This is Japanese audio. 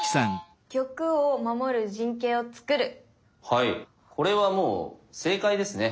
はいこれはもう正解ですね。